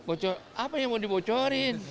bocor apa yang mau dibocorin